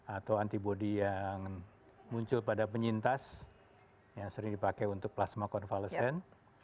atau antibody yang muncul pada penyintas yang sering dipakai untuk plasma konvalesen